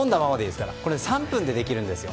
これ、３分でできるんですよ。